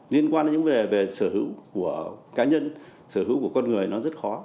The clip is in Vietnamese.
liên quan đến những vấn đề về sửa hữu của cá nhân sửa hữu của con người nó rất khó